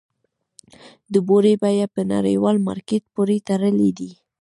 د بورې بیه په نړیوال مارکیټ پورې تړلې ده؟